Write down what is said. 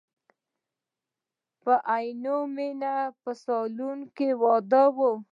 په عینومیني په سالون کې واده و.